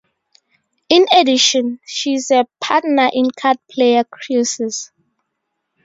In addition, she is a partner in Card Player Cruises.